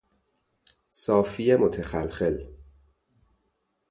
صافی متخلخل